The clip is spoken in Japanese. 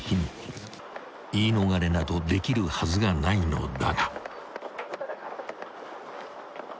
［言い逃れなどできるはずがないのだが］